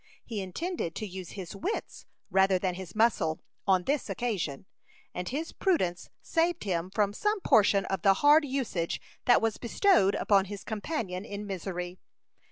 He intended to use his wits, rather than his muscle, on this occasion; and his prudence saved him from some portion of the hard usage that was bestowed upon his companion in misery.